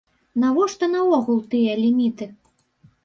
Навошта наогул тыя ліміты?